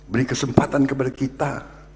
beri kesempatan kepada kita